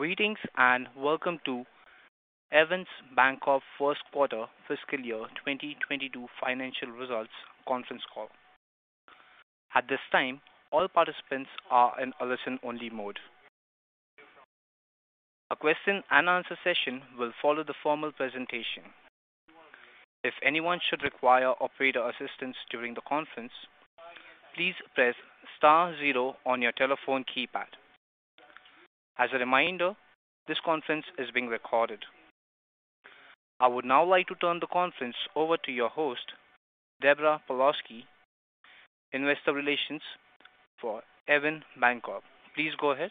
Greetings, and welcome to Evans Bancorp first quarter fiscal year 2022 financial results conference call. At this time, all participants are in a listen only mode. A question and answer session will follow the formal presentation. If anyone should require operator assistance during the conference, please press star zero on your telephone keypad. As a reminder, this conference is being recorded. I would now like to turn the conference over to your host, Deborah Pawlowski, Investor Relations for Evans Bancorp. Please go ahead.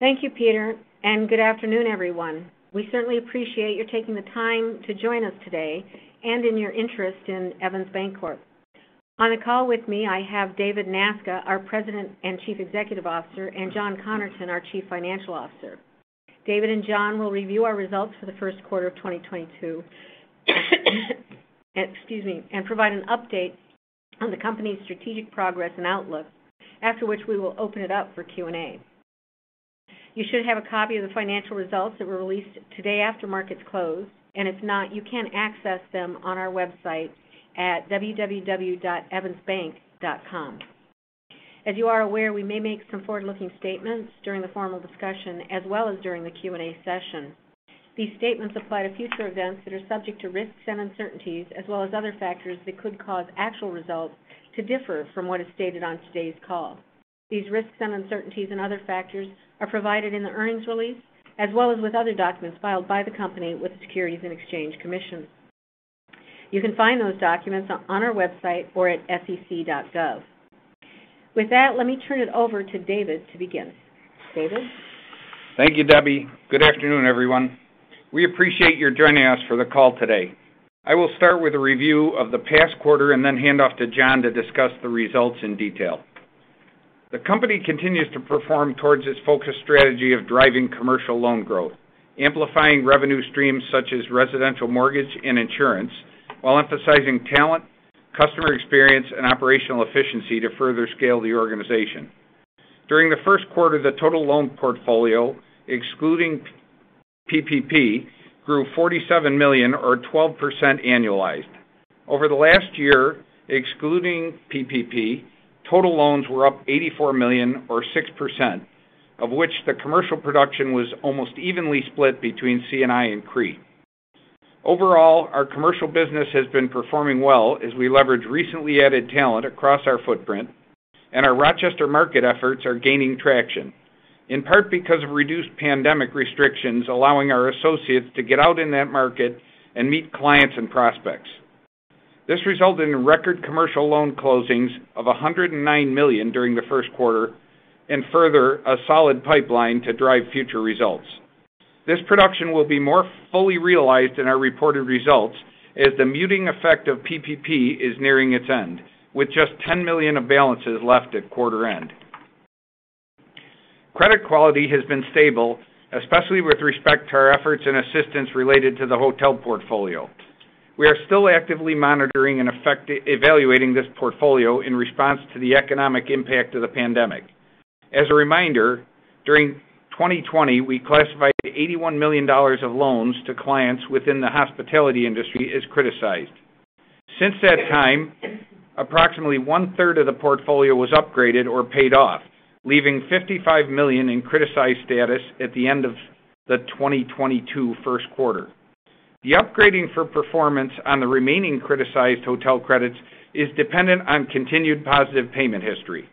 Thank you, Peter, and good afternoon, everyone. We certainly appreciate your taking the time to join us today and in your interest in Evans Bancorp. On the call with me, I have David Nasca, our President and Chief Executive Officer, and John Connerton, our Chief Financial Officer. David and John will review our results for the first quarter of 2022, excuse me, and provide an update on the company's strategic progress and outlook. After which we will open it up for Q&A. You should have a copy of the financial results that were released today after markets closed, and if not, you can access them on our website at www.evansbank.com. As you are aware, we may make some forward-looking statements during the formal discussion as well as during the Q&A session. These statements apply to future events that are subject to risks and uncertainties as well as other factors that could cause actual results to differ from what is stated on today's call. These risks and uncertainties and other factors are provided in the earnings release, as well as in other documents filed by the company with the Securities and Exchange Commission. You can find those documents on our website or at sec.gov. With that, let me turn it over to David to begin. David. Thank you, Debbie. Good afternoon, everyone. We appreciate your joining us for the call today. I will start with a review of the past quarter and then hand off to John to discuss the results in detail. The company continues to perform toward its focused strategy of driving commercial loan growth, amplifying revenue streams such as residential mortgage and insurance, while emphasizing talent, customer experience and operational efficiency to further scale the organization. During the first quarter, the total loan portfolio, excluding PPP, grew $47 million or 12% annualized. Over the last year, excluding PPP, total loans were up $84 million or 6%, of which the commercial production was almost evenly split between C&I and CRE. Overall, our commercial business has been performing well as we leverage recently added talent across our footprint, and our Rochester market efforts are gaining traction, in part because of reduced pandemic restrictions, allowing our associates to get out in that market and meet clients and prospects. This resulted in record commercial loan closings of $109 million during the first quarter, and further, a solid pipeline to drive future results. This production will be more fully realized in our reported results as the muting effect of PPP is nearing its end, with just $10 million of balances left at quarter end. Credit quality has been stable, especially with respect to our efforts and assistance related to the hotel portfolio. We are still actively monitoring and evaluating this portfolio in response to the economic impact of the pandemic. As a reminder, during 2020, we classified $81 million of loans to clients within the hospitality industry as criticized. Since that time, approximately one-third of the portfolio was upgraded or paid off, leaving $55 million in criticized status at the end of the 2022 first quarter. The upgrading for performance on the remaining criticized hotel credits is dependent on continued positive payment history.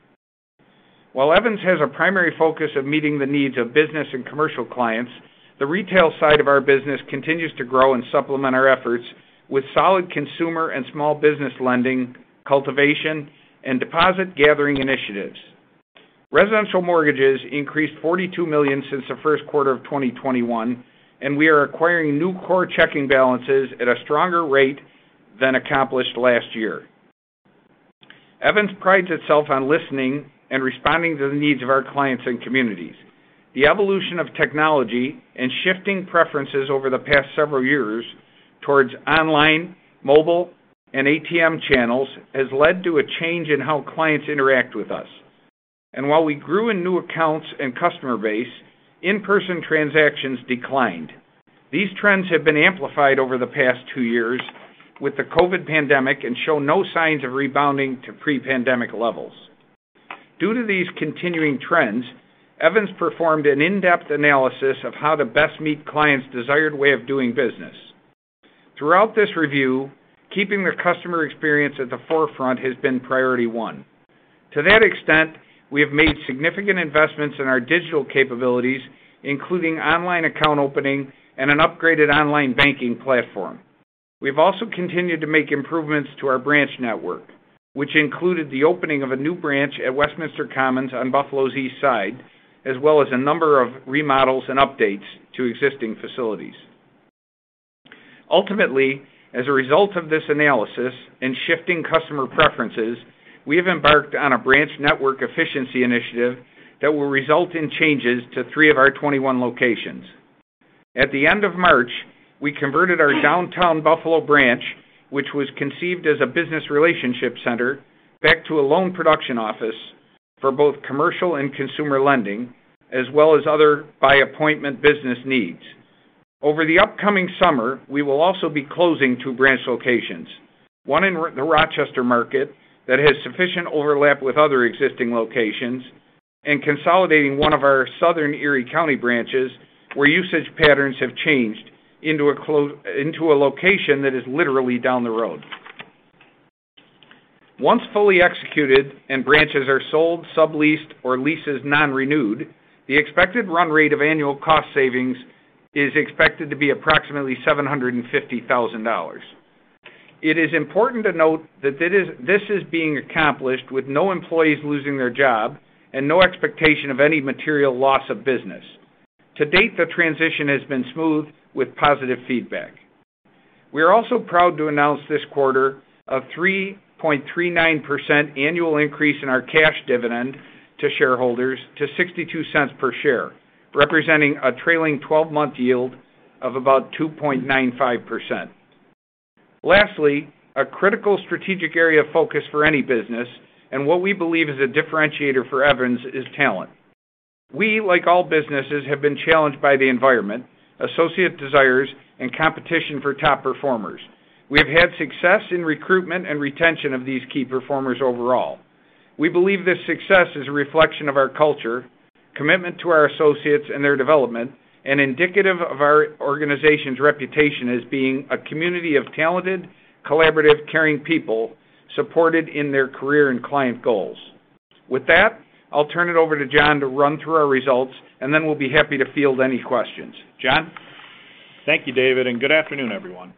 While Evans has a primary focus of meeting the needs of business and commercial clients, the retail side of our business continues to grow and supplement our efforts with solid consumer and small business lending, cultivation, and deposit gathering initiatives. Residential mortgages increased $42 million since the first quarter of 2021, and we are acquiring new core checking balances at a stronger rate than accomplished last year. Evans prides itself on listening and responding to the needs of our clients and communities. The evolution of technology and shifting preferences over the past several years towards online, mobile, and ATM channels has led to a change in how clients interact with us. While we grew in new accounts and customer base, in-person transactions declined. These trends have been amplified over the past two years with the COVID pandemic and show no signs of rebounding to pre-pandemic levels. Due to these continuing trends, Evans performed an in-depth analysis of how to best meet clients' desired way of doing business. Throughout this review, keeping the customer experience at the forefront has been priority one. To that extent, we have made significant investments in our digital capabilities, including online account opening and an upgraded online banking platform. We've also continued to make improvements to our branch network, which included the opening of a new branch at Westminster Commons on Buffalo's East Side, as well as a number of remodels and updates to existing facilities. Ultimately, as a result of this analysis and shifting customer preferences, we have embarked on a branch network efficiency initiative that will result in changes to three of our 21 locations. At the end of March, we converted our downtown Buffalo branch, which was conceived as a business relationship center, back to a loan production office for both commercial and consumer lending, as well as other by-appointment business needs. Over the upcoming summer, we will also be closing two branch locations, one in the Rochester market that has sufficient overlap with other existing locations, and consolidating one of our southern Erie County branches, where usage patterns have changed, into a location that is literally down the road. Once fully executed and branches are sold, subleased, or leases non-renewed, the expected run rate of annual cost savings is expected to be approximately $750,000. It is important to note that this is being accomplished with no employees losing their job and no expectation of any material loss of business. To date, the transition has been smooth, with positive feedback. We are also proud to announce this quarter a 3.39% annual increase in our cash dividend to shareholders to $0.62 per share, representing a trailing 12-month yield of about 2.95%. Lastly, a critical strategic area of focus for any business, and what we believe is a differentiator for Evans, is talent. We, like all businesses, have been challenged by the environment, associate desires, and competition for top performers. We have had success in recruitment and retention of these key performers overall. We believe this success is a reflection of our culture, commitment to our associates and their development, and indicative of our organization's reputation as being a community of talented, collaborative, caring people supported in their career and client goals. With that, I'll turn it over to John to run through our results, and then we'll be happy to field any questions. John? Thank you, David, and good afternoon, everyone.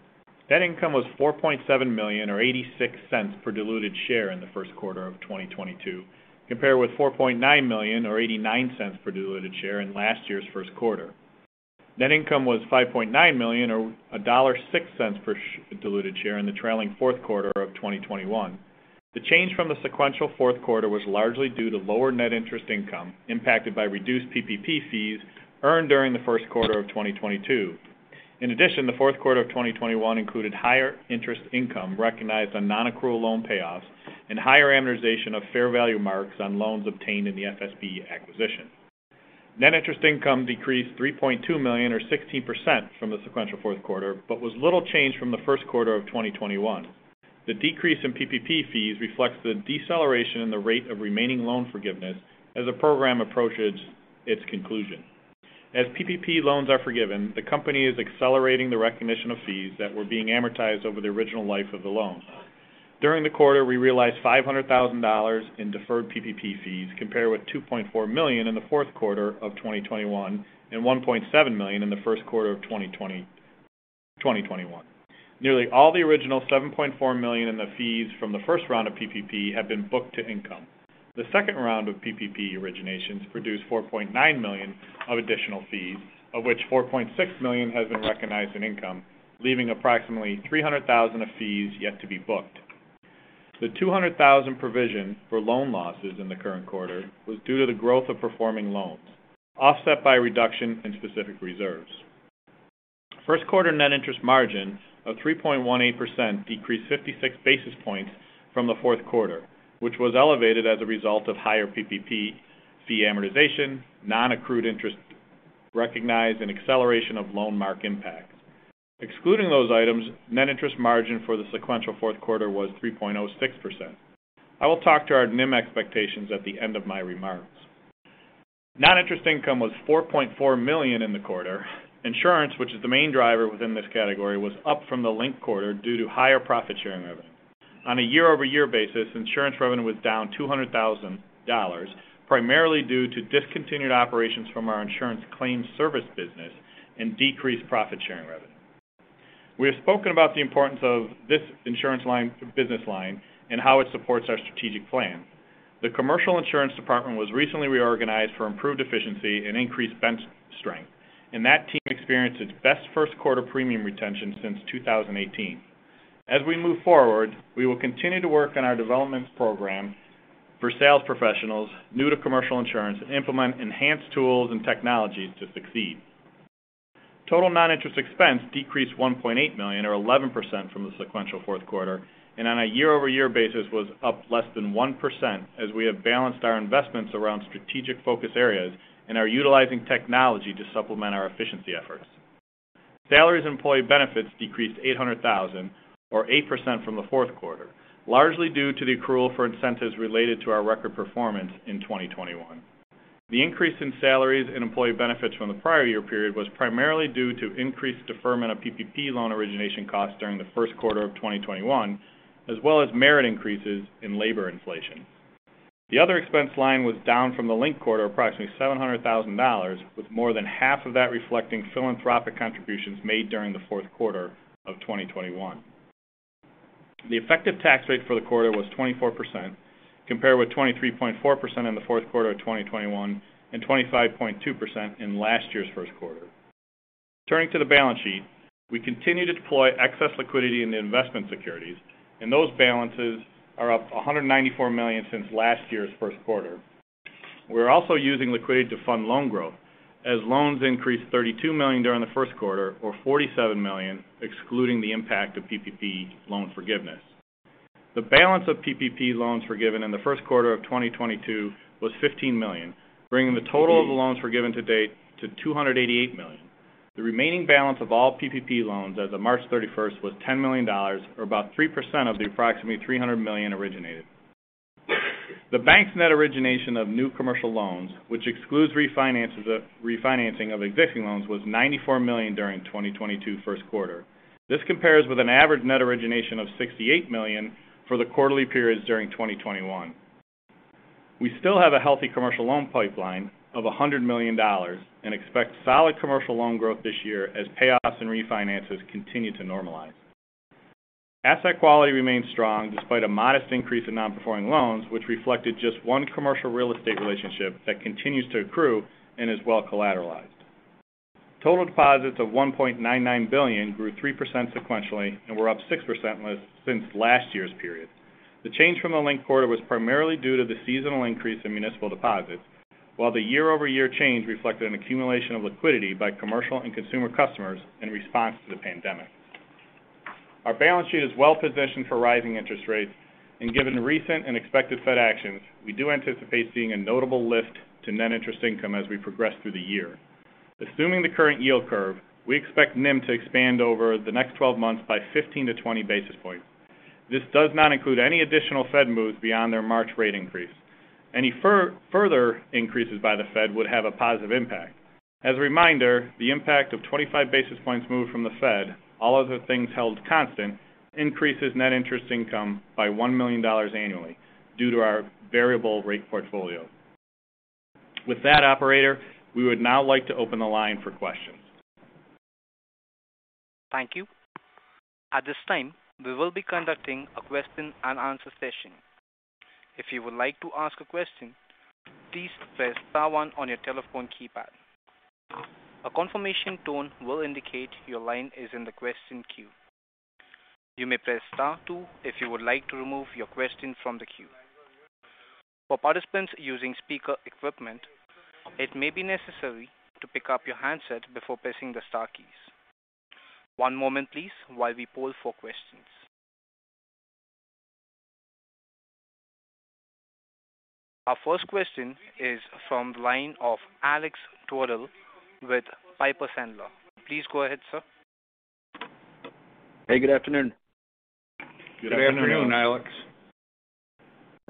Net income was $4.7 million, or $0.86 per diluted share in the first quarter of 2022, compared with $4.9 million or $0.89 per diluted share in last year's first quarter. Net income was $5.9 million or $1.06 per diluted share in the trailing fourth quarter of 2021. The change from the sequential fourth quarter was largely due to lower net interest income, impacted by reduced PPP fees earned during the first quarter of 2022. In addition, the fourth quarter of 2021 included higher interest income recognized on non-accrual loan payoffs and higher amortization of fair value marks on loans obtained in the FSB acquisition. Net interest income decreased $3.2 million or 16% from the sequential fourth quarter, but was little changed from the first quarter of 2021. The decrease in PPP fees reflects the deceleration in the rate of remaining loan forgiveness as the program approaches its conclusion. As PPP loans are forgiven, the company is accelerating the recognition of fees that were being amortized over the original life of the loan. During the quarter, we realized $500,000 in deferred PPP fees, compared with $2.4 million in the fourth quarter of 2021 and $1.7 million in the first quarter of 2020. Nearly all the original $7.4 million in the fees from the first round of PPP have been booked to income. The second round of PPP originations produced $4.9 million of additional fees, of which $4.6 million has been recognized in income, leaving approximately $300,000 of fees yet to be booked. The $200,000 provision for loan losses in the current quarter was due to the growth of performing loans, offset by a reduction in specific reserves. First quarter net interest margin of 3.18% decreased 56 basis points from the fourth quarter, which was elevated as a result of higher PPP fee amortization, non-accrued interest recognized, and acceleration of loan mark impacts. Excluding those items, net interest margin for the sequential fourth quarter was 3.06%. I will talk to our NIM expectations at the end of my remarks. Non-interest income was $4.4 million in the quarter. Insurance, which is the main driver within this category, was up from the linked quarter due to higher profit-sharing revenue. On a year-over-year basis, insurance revenue was down $200,000, primarily due to discontinued operations from our insurance claims service business and decreased profit-sharing revenue. We have spoken about the importance of this insurance line, business line and how it supports our strategic plan. The commercial insurance department was recently reorganized for improved efficiency and increased bench strength, and that team experienced its best first quarter premium retention since 2018. As we move forward, we will continue to work on our development program for sales professionals new to commercial insurance and implement enhanced tools and technologies to succeed. Total non-interest expense decreased $1.8 million or 11% from the sequential fourth quarter, and on a year-over-year basis was up less than 1% as we have balanced our investments around strategic focus areas and are utilizing technology to supplement our efficiency efforts. Salaries and employee benefits decreased $800,000 or 8% from the fourth quarter, largely due to the accrual for incentives related to our record performance in 2021. The increase in salaries and employee benefits from the prior year period was primarily due to increased deferment of PPP loan origination costs during the first quarter of 2021, as well as merit increases in labor inflation. The other expense line was down from the linked quarter approximately $700,000, with more than half of that reflecting philanthropic contributions made during the fourth quarter of 2021. The effective tax rate for the quarter was 24%, compared with 23.4% in the fourth quarter of 2021 and 25.2% in last year's first quarter. Turning to the balance sheet, we continue to deploy excess liquidity into investment securities, and those balances are up $194 million since last year's first quarter. We're also using liquidity to fund loan growth as loans increased $32 million during the first quarter or $47 million, excluding the impact of PPP loan forgiveness. The balance of PPP loans forgiven in the first quarter of 2022 was $15 million, bringing the total of the loans forgiven to date to $288 million. The remaining balance of all PPP loans as of March 31 was $10 million, or about 3% of the approximately $300 million originated. The bank's net origination of new commercial loans, which excludes refinancing of existing loans, was $94 million during 2022 first quarter. This compares with an average net origination of $68 million for the quarterly periods during 2021. We still have a healthy commercial loan pipeline of $100 million and expect solid commercial loan growth this year as payoffs and refinances continue to normalize. Asset quality remains strong despite a modest increase in non-performing loans, which reflected just one commercial real estate relationship that continues to accrue and is well collateralized. Total deposits of $1.99 billion grew 3% sequentially and were up 6% since last year's period. The change from the linked quarter was primarily due to the seasonal increase in municipal deposits, while the year-over-year change reflected an accumulation of liquidity by commercial and consumer customers in response to the pandemic. Our balance sheet is well-positioned for rising interest rates, and given recent and expected Fed actions, we do anticipate seeing a notable lift to net interest income as we progress through the year. Assuming the current yield curve, we expect NIM to expand over the next 12 months by 15-20 basis points. This does not include any additional Fed moves beyond their March rate increase. Any further increases by the Fed would have a positive impact. As a reminder, the impact of 25 basis points moved from the Fed, all other things held constant, increases net interest income by $1 million annually due to our variable rate portfolio. With that, operator, we would now like to open the line for questions. Thank you. At this time, we will be conducting a question and answer session. If you would like to ask a question, please press star one on your telephone keypad. A confirmation tone will indicate your line is in the question queue. You may press star two if you would like to remove your question from the queue. For participants using speaker equipment, it may be necessary to pick up your handset before pressing the star keys. One moment please while we poll for questions. Our first question is from the line of Alex Twerdahl with Piper Sandler. Please go ahead, sir. Hey, good afternoon. Good afternoon, Alex.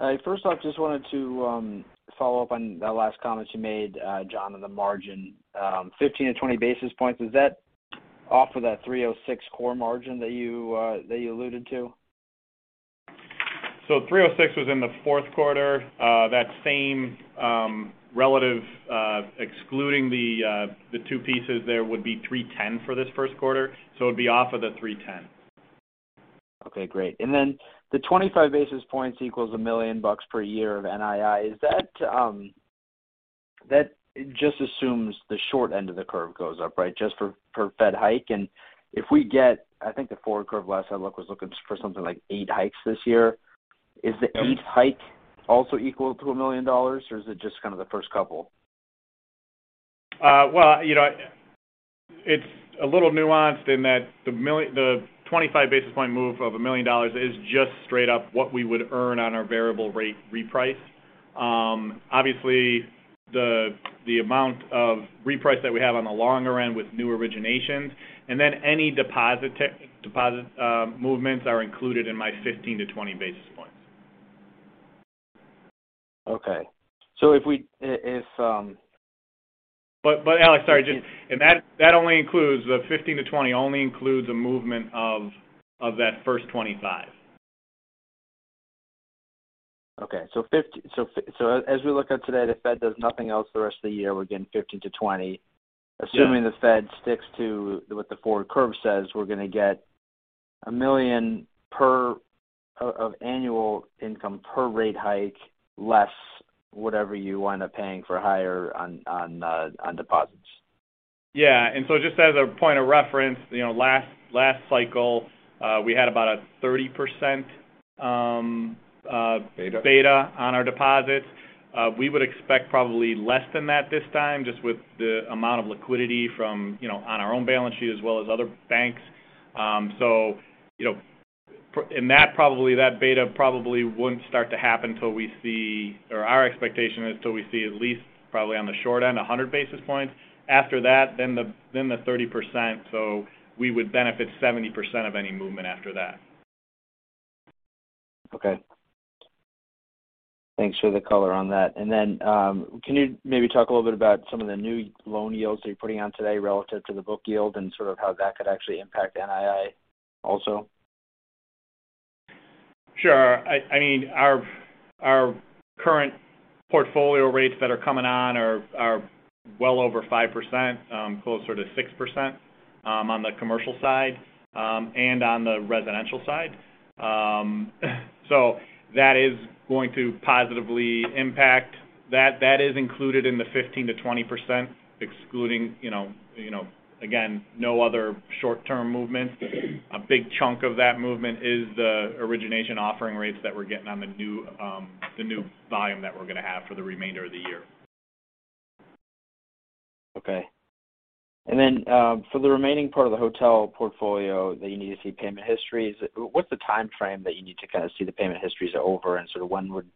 All right. First off, just wanted to follow up on the last comment you made, John, on the margin. 15-20 basis points, is that off of that 306 core margin that you alluded to? 306 was in the fourth quarter. That same relative excluding the two pieces there would be 310 for this first quarter. It'd be off of the 310. Okay, great. The 25 basis points equals $1 million per year of NII. Is that that just assumes the short end of the curve goes up, right? Just for the Fed hike. If we get, I think the forward curve last I looked was looking set for something like eight hikes this year. Is the eighth hike also equal to $1 million or is it just kind of the first couple? Well, you know, it's a little nuanced in that the 25 basis point move of $1 million is just straight up what we would earn on our variable rate reprice. Obviously, the amount of reprice that we have on the longer end with new originations and then any deposit movements are included in my 15-20 basis points. Okay. If- Alex, sorry, the 15-20 only includes a movement of that first 25. As we look at today, the Fed does nothing else the rest of the year, we're getting 15-20. Yes. Assuming the Fed sticks to what the forward curve says, we're gonna get $1 million or so of annual income per rate hike less whatever you wind up paying higher on deposits. Yeah. Just as a point of reference, you know, last cycle, we had about a 30%. Beta. Beta on our deposits. We would expect probably less than that this time just with the amount of liquidity from, you know, on our own balance sheet as well as other banks. You know, in that, probably that beta wouldn't start to happen till we see or our expectation is till we see at least probably on the short end, 100 basis points. After that, then the 30%. We would benefit 70% of any movement after that. Okay. Thanks for the color on that. Can you maybe talk a little bit about some of the new loan yields that you're putting on today relative to the book yield and sort of how that could actually impact NII also? Sure. I mean, our current portfolio rates that are coming on are well over 5%, closer to 6%, on the commercial side, and on the residential side. That is going to positively impact. That is included in the 15%-20%, excluding, you know, again, no other short-term movements. A big chunk of that movement is the origination offering rates that we're getting on the new volume that we're gonna have for the remainder of the year. For the remaining part of the hotel portfolio that you need to see payment histories, what's the timeframe that you need to kind of see the payment histories are over, and sort of when would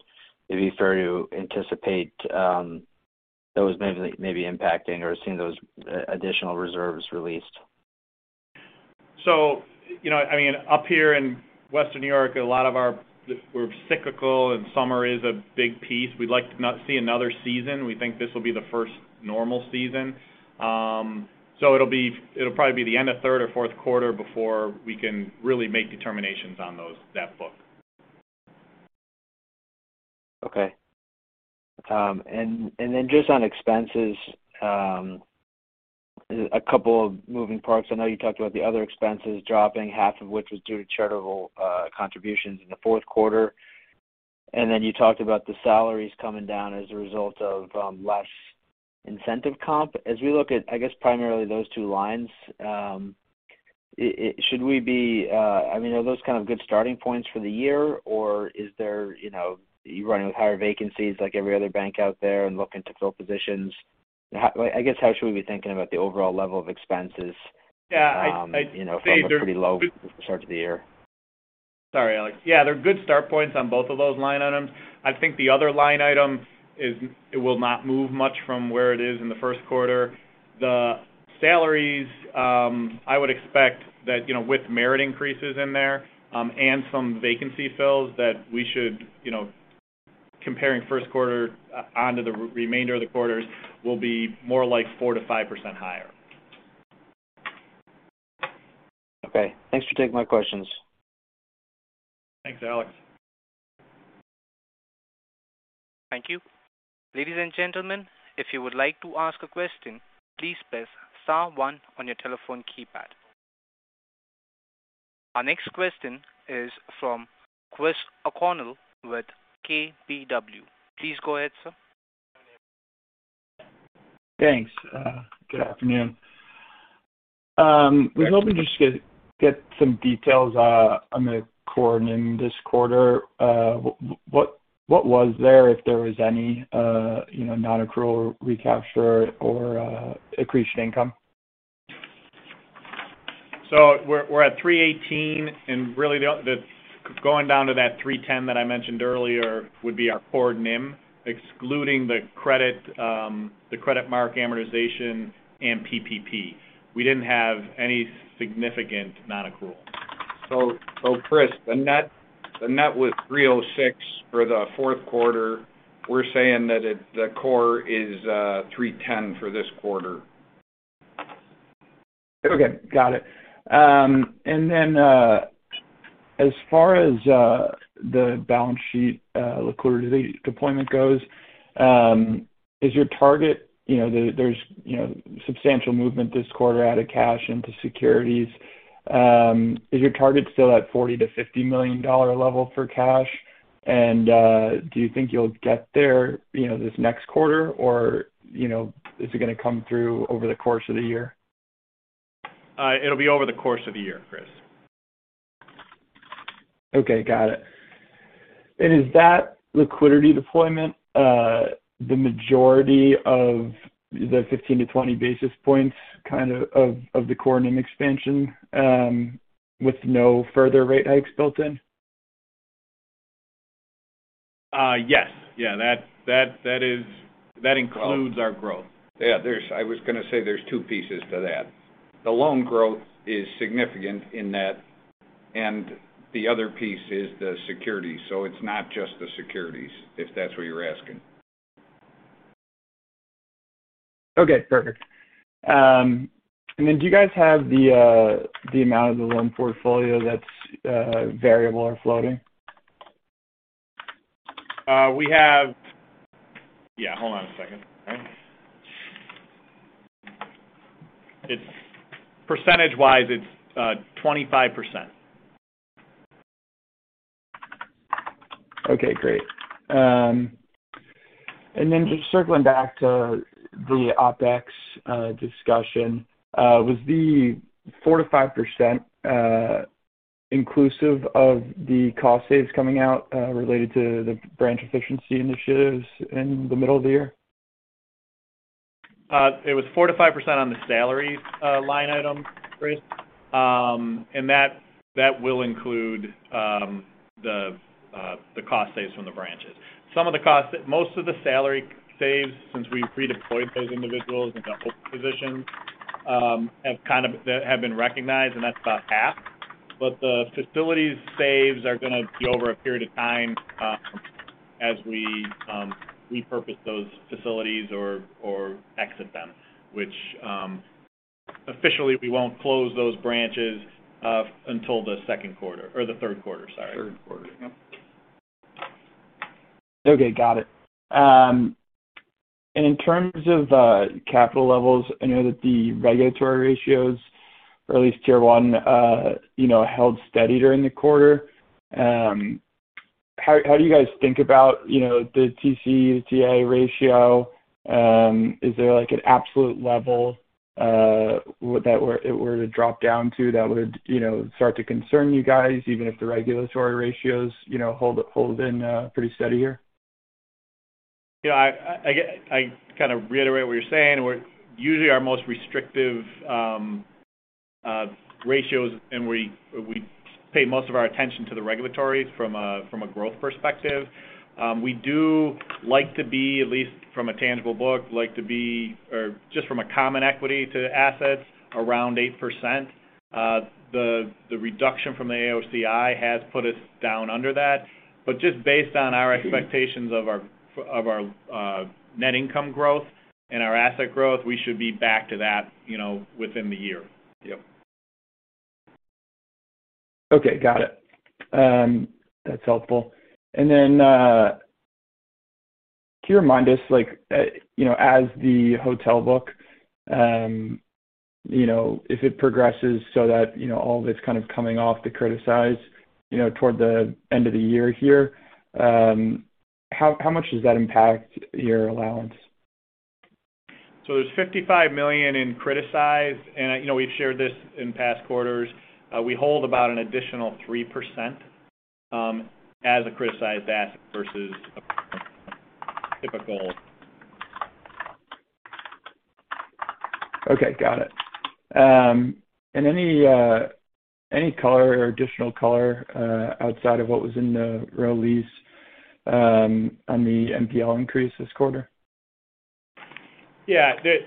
it be fair to anticipate those maybe impacting or seeing those additional reserves released? You know, I mean, up here in Western New York, we're cyclical, and summer is a big piece. We'd like to not see another season. We think this will be the first normal season. It'll probably be the end of third or fourth quarter before we can really make determinations on that book. Okay. Just on expenses, a couple of moving parts. I know you talked about the other expenses dropping, half of which was due to charitable contributions in the fourth quarter. You talked about the salaries coming down as a result of less incentive comp. As we look at, I guess, primarily those two lines, I mean, are those kind of good starting points for the year, or is there, you know, you're running with higher vacancies like every other bank out there and looking to fill positions? I guess, how should we be thinking about the overall level of expenses? Yeah. I believe. You know, from a pretty low start to the year. Sorry, Alex. Yeah, they're good start points on both of those line items. I think the other line item is it will not move much from where it is in the first quarter. The salaries, I would expect that, you know, with merit increases in there, and some vacancy fills that we should, you know, comparing first quarter onto the remainder of the quarters will be more like 4%-5% higher. Okay. Thanks for taking my questions. Thanks, Alex. Thank you. Ladies and gentlemen, if you would like to ask a question, please press star one on your telephone keypad. Our next question is from Chris O'Connell with KBW. Please go ahead, sir. Thanks. Good afternoon. Was hoping just to get some details on the core NIM this quarter. What was there, if there was any, you know, non-accrual recapture or accretion income? We're at 318, and really the going down to that 310 that I mentioned earlier would be our core NIM, excluding the credit, the credit mark amortization and PPP. We didn't have any significant non-accrual. Chris, the net was 306 for the fourth quarter. We're saying that the core is 310 for this quarter. Okay. Got it. As far as the balance sheet, liquidity deployment goes, is your target? You know, there's you know, substantial movement this quarter out of cash into securities. Is your target still at $40 million-$50 million level for cash? Do you think you'll get there, you know, this next quarter or, you know, is it gonna come through over the course of the year? It'll be over the course of the year, Chris. Okay. Got it. Is that liquidity deployment the majority of the 15-20 basis points kind of the core NIM expansion with no further rate hikes built in? Yes. Yeah. That is, that includes our growth. Yeah. There's two pieces to that. The loan growth is significant in that, and the other piece is the securities. It's not just the securities, if that's what you're asking. Okay. Perfect. Do you guys have the amount of the loan portfolio that's variable or floating? Percentage-wise, it's 25%. Okay, great. Just circling back to the OpEx discussion, was the 4%-5% inclusive of the cost savings coming out related to the branch efficiency initiatives in the middle of the year? It was 4%-5% on the salaries line item, Chris. That will include the cost saves from the branches. Most of the salary saves since we've redeployed those individuals into open positions have kind of that have been recognized, and that's about half. The facilities saves are gonna be over a period of time as we repurpose those facilities or exit them, which officially we won't close those branches until the second quarter or the third quarter, sorry. Third quarter. Yep. Okay. Got it. In terms of capital levels, I know that the regulatory ratios or at least Tier 1, you know, held steady during the quarter. How do you guys think about, you know, the TCE/TA ratio? Is there like an absolute level that, were it to drop down to that, would, you know, start to concern you guys even if the regulatory ratios, you know, hold pretty steady? Yeah. I kind of reiterate what you're saying. We're usually our most restrictive ratios and we pay most of our attention to the regulatory ratios from a growth perspective. We do like to be at least from a tangible book or just from a common equity to assets around 8%. The reduction from the AOCI has put us down under that. Just based on our expectations of our net income growth and our asset growth, we should be back to that, you know, within the year. Yep. Okay. Got it. That's helpful. Can you remind us like, you know, as the hotel book, you know, if it progresses so that, you know, all of it's kind of coming off the criticized, you know, toward the end of the year here, how much does that impact your allowance? There's $55 million in criticized. You know, we've shared this in past quarters. We hold about an additional 3% as a criticized asset versus a typical. Okay. Got it. Any color or additional color, outside of what was in the release, on the NPL increase this quarter? Yeah. It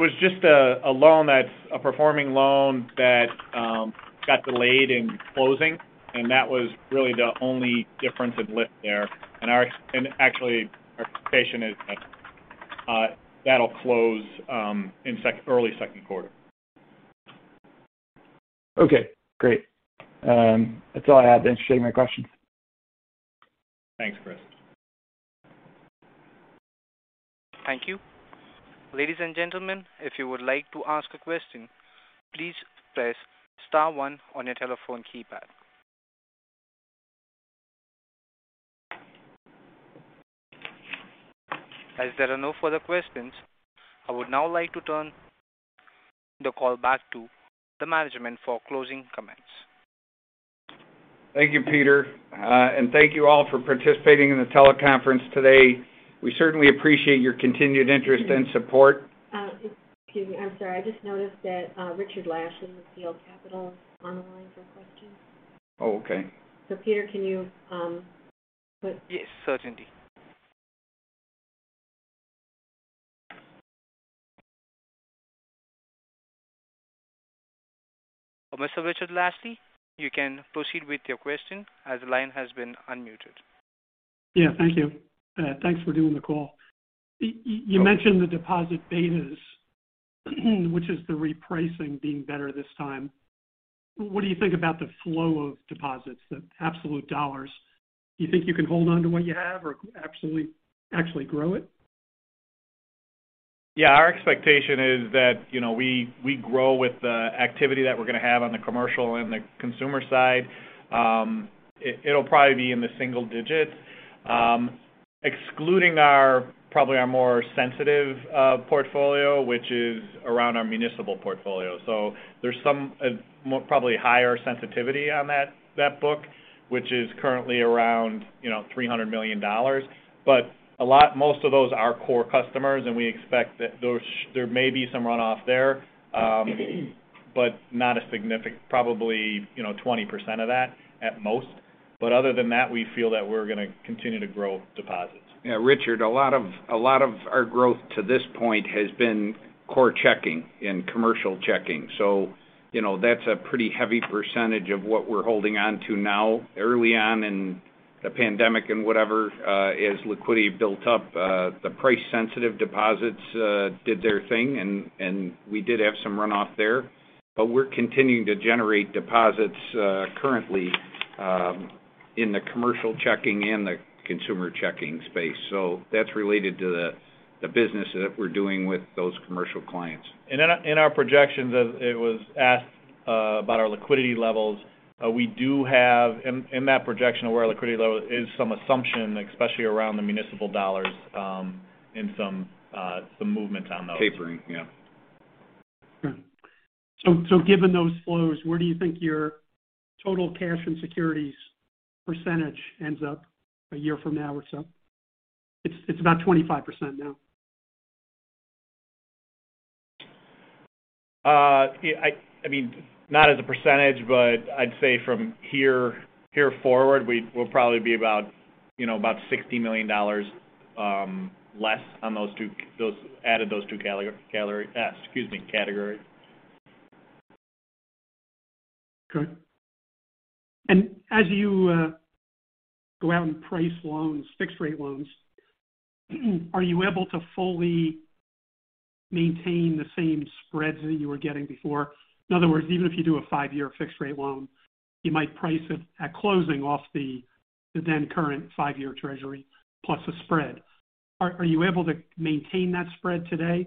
was just a loan that's a performing loan that got delayed in closing, and that was really the only difference in lift there. Actually, our expectation is that'll close in early second quarter. Okay, great. That's all I had. Thanks for taking my questions. Thanks, Chris. Thank you. Ladies and gentlemen, if you would like to ask a question, please press star one on your telephone keypad. As there are no further questions, I would now like to turn the call back to the management for closing comments. Thank you, Peter. Thank you all for participating in the teleconference today. We certainly appreciate your continued interest and support. Excuse me. I'm sorry. I just noticed that Richard Lashley with PL Capital is on the line for questions. Oh, okay. Peter, can you? Yes, certainly. Mr. Richard Lashley, you can proceed with your question as the line has been unmuted. Yeah, thank you. Thanks for doing the call. You mentioned the deposit betas, which is the repricing being better this time. What do you think about the flow of deposits, the absolute dollars? Do you think you can hold on to what you have or absolutely actually grow it? Yeah. Our expectation is that, you know, we grow with the activity that we're gonna have on the commercial and the consumer side. It'll probably be in the single digits, excluding our more sensitive portfolio, which is our municipal portfolio. So there's some higher sensitivity on that book, which is currently around $300 million. Most of those are core customers, and we expect that there may be some runoff there, but not a significant 20% of that at most. Other than that, we feel that we're gonna continue to grow deposits. Yeah. Richard, a lot of our growth to this point has been core checking and commercial checking. You know, that's a pretty heavy percentage of what we're holding on to now. Early on in the pandemic and whatever, as liquidity built up, the price sensitive deposits did their thing and we did have some runoff there. We're continuing to generate deposits currently in the commercial checking and the consumer checking space. That's related to the business that we're doing with those commercial clients. In our projections of it was asked about our liquidity levels. We do have in that projection of where our liquidity level is some assumption, especially around the municipal dollars, and some movement on those. Tapering. Yeah. Given those flows, where do you think your total cash and securities percentage ends up a year from now or so? It's about 25% now. I mean, not as a percentage, but I'd say from here forward, we'll probably be about, you know, about $60 million less on those two added categories. Okay. As you go out and price loans, fixed rate loans, are you able to fully maintain the same spreads that you were getting before? In other words, even if you do a five-year fixed rate loan, you might price it at closing off the then current five-year Treasury plus a spread. Are you able to maintain that spread today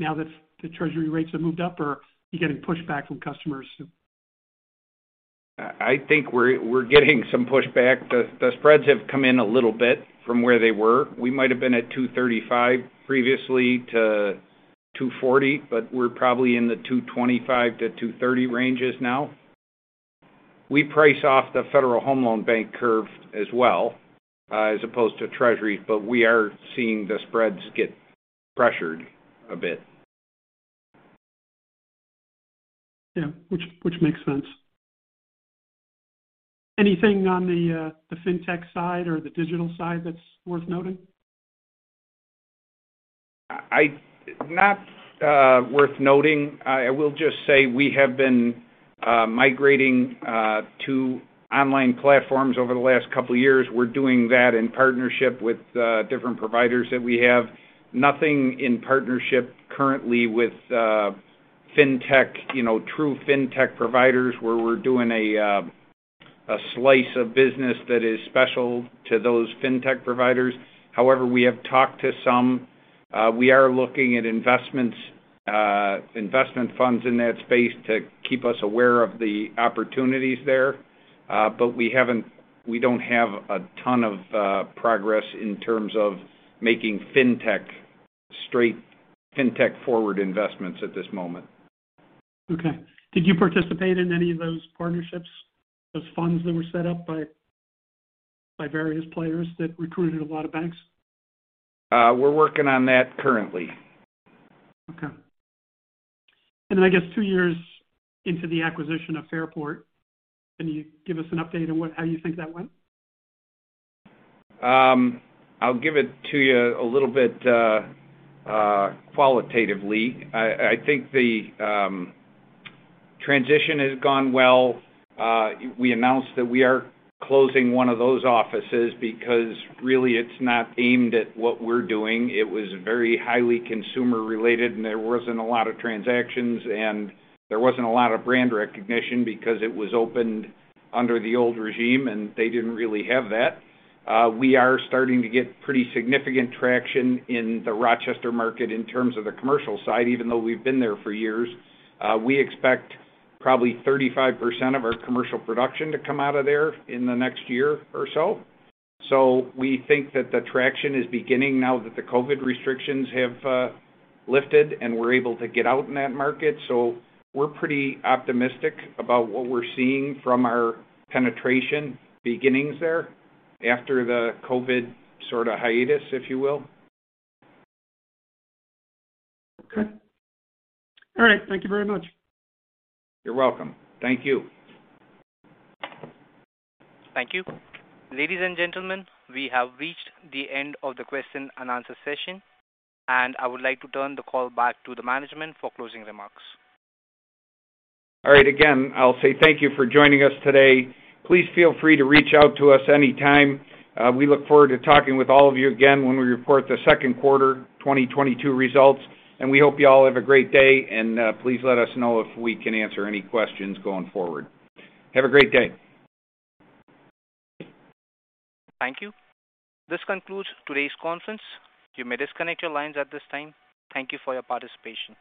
now that the Treasury rates have moved up, or are you getting pushback from customers who- I think we're getting some pushback. The spreads have come in a little bit from where they were. We might have been at 235 previously to 240, but we're probably in the 225-230 ranges now. We price off the Federal Home Loan Bank curve as well, as opposed to Treasury, but we are seeing the spreads get pressured a bit. Yeah. Which makes sense. Anything on the fintech side or the digital side that's worth noting? Not worth noting. I will just say we have been migrating to online platforms over the last couple years. We're doing that in partnership with different providers that we have. Nothing in partnership currently with fintech, you know, true fintech providers where we're doing a slice of business that is special to those fintech providers. However, we have talked to some. We are looking at investments, investment funds in that space to keep us aware of the opportunities there. We don't have a ton of progress in terms of making fintech straight, fintech forward investments at this moment. Okay. Did you participate in any of those partnerships, those funds that were set up by various players that recruited a lot of banks? We're working on that currently. Okay. I guess, two years into the acquisition of Fairport, can you give us an update on how you think that went? I'll give it to you a little bit, qualitatively. I think the transition has gone well. We announced that we are closing one of those offices because really it's not aimed at what we're doing. It was very highly consumer related, and there wasn't a lot of transactions, and there wasn't a lot of brand recognition because it was opened under the old regime, and they didn't really have that. We are starting to get pretty significant traction in the Rochester market in terms of the commercial side, even though we've been there for years. We expect probably 35% of our commercial production to come out of there in the next year or so. We think that the traction is beginning now that the COVID restrictions have lifted, and we're able to get out in that market. We're pretty optimistic about what we're seeing from our penetration beginnings there after the COVID sort of hiatus, if you will. Okay. All right. Thank you very much. You're welcome. Thank you. Thank you. Ladies and gentlemen, we have reached the end of the question and answer session, and I would like to turn the call back to the management for closing remarks. All right. Again, I'll say thank you for joining us today. Please feel free to reach out to us any time. We look forward to talking with all of you again when we report the second quarter 2022 results. We hope you all have a great day. Please let us know if we can answer any questions going forward. Have a great day. Thank you. This concludes today's conference. You may disconnect your lines at this time. Thank you for your participation.